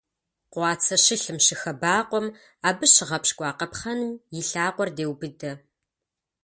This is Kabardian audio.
Къуацэ щылъым щыхэбакъуэм, абы щыгъэпщкӀуа къапхъэным и лъакъуэр деубыдэ.